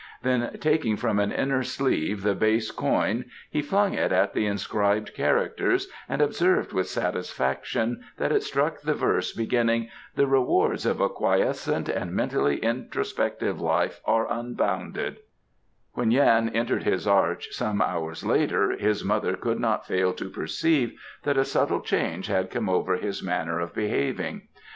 Then taking from an inner sleeve the base coin he flung it at the inscribed characters and observed with satisfaction that it struck the verse beginning, "The Rewards of a Quiescent and Mentally introspective Life are Unbounded " When Yan entered his arch some hours later his mother could not fail to perceive that a subtle change had come over his manner of behaving.